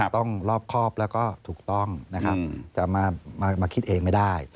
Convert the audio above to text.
ต้องรอบครอบแล้วก็ถูกต้องนะครับจะมาคิดเองไม่ได้